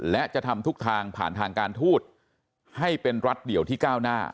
และจะทำทุกทางผ่านทางการทูตให้เป็นรัฐเดี่ยวที่ก้าวหน้า